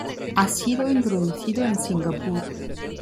Ha sido introducido en Singapur.